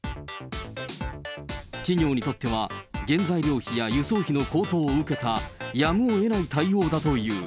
企業にとっては、原材料費や輸送費の高騰を受けたやむをえない対応だという。